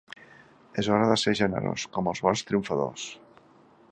És hora de ser generós, com els bons triomfadors.